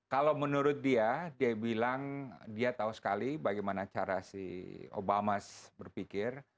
kalau menurut dia dia bilang dia tahu sekali bagaimana cara si obama berpikir